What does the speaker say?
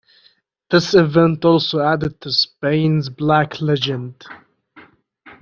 This event also added to Spain's Black Legend.